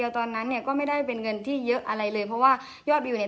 ตอนนั้นเนี่ยก็ไม่ได้เป็นเงินที่เยอะอะไรเลยเพราะว่ายอดวิวเนี่ย